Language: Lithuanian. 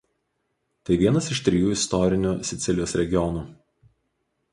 Tai vienas iš trijų istorinių Sicilijos regionų.